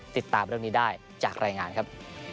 ติดตามเรื่องนี้ได้จากรายงานครับ